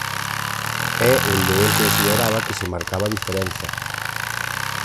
É onde el consideraba que se marcaba a diferenza.